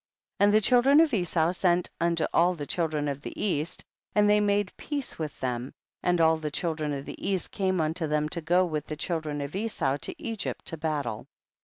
15. And the children of Esau sent unto all the children of the east, and they made peace with them, and all the children of the east came unto them to go with the children of Esau to Egypt to battle.